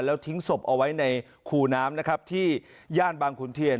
แล้วทิ้งศพเอาไว้ในคูน้ำนะครับที่ย่านบางขุนเทียน